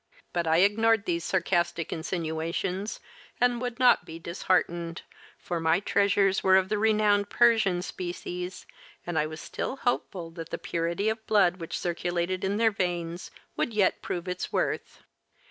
But I ignored these sarcastic insinuations and would not be disheartened, for my treasures were of the renowned Persian species and I was still hopeful that the purity of the blood which circulated in their veins would yet prove its worth.